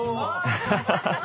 ハハハハ！